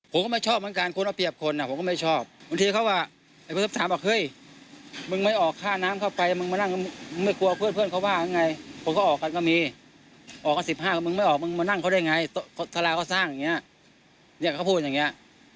ผมก็ไม่ชอบเหมือนกันคนเอาเปรียบคนผมก็ไม่ชอบบางทีเขาว่าไอ้คนสิบสามบอกเฮ้ยมึงไม่ออกข้าน้ำเข้าไปมึงมานั่งมึงไม่กลัวเพื่อนเขาว่ายังไงผมก็ออกกันก็มีออกกันสิบห้าคนมึงไม่ออกมึงมานั่งเขาได้ไงทะเลาะเขาสร้างอย่างเงี้ยเนี่ยเขาพูดอย่างเงี้ย